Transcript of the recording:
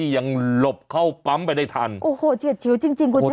หลบเข้าปั๊มไปได้ทันโอ้โหเฉียดชิวจริงจริงคุณชนะ